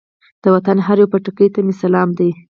د وطن هر یوه پټکي ته مې سلام دی.